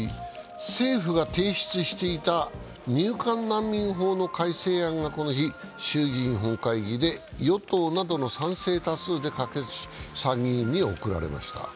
政府が提出していた入管難民法の改正案がこの日、衆議院本会議で与党などの賛成多数で可決し、参議院に送られました。